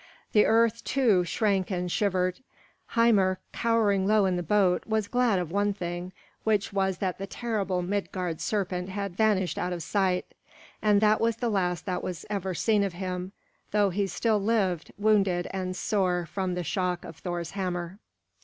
The earth, too, shrank and shivered. Hymir, cowering low in the boat, was glad of one thing, which was that the terrible Midgard serpent had vanished out of sight. And that was the last that was ever seen of him, though he still lived, wounded and sore from the shock of Thor's hammer.